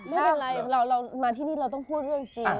ไม่เป็นไรเรามาที่นี่เราต้องพูดเรื่องจริง